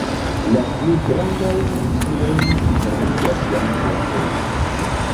La pli grandajn insulojn interligas jam pontoj.